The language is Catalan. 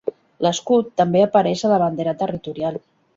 L'escut també apareix a la bandera territorial.